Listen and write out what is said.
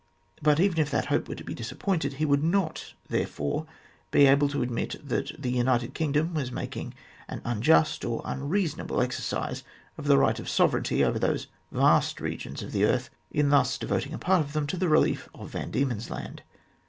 But even if that hope were disappointed, he would not, therefore, be able to admit that the United Kingdom was making an unjust or unreasonable exercise of the right of sovereignty over those vast regions of the earth in thus devoting a part of them to the relief of Van Diemen's Land.